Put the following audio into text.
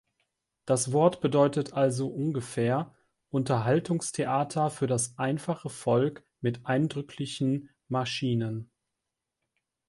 Das Wort bedeutet also ungefähr „Unterhaltungstheater für das einfache Volk mit eindrücklichen Maschinen“.